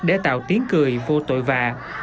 để tạo tiếng cười vô tội và